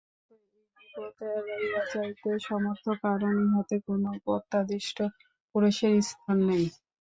বেদান্ত এই বিপদ এড়াইয়া যাইতে সমর্থ, কারণ ইহাতে কোন প্রত্যাদিষ্ট পুরুষের স্থান নাই।